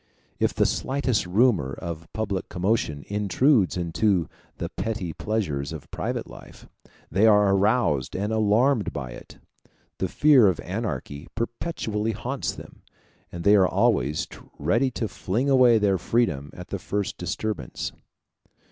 If the slightest rumor of public commotion intrudes into the petty pleasures of private life, they are aroused and alarmed by it. The fear of anarchy perpetually haunts them, and they are always ready to fling away their freedom at the first disturbance.